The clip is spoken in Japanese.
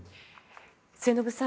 末延さん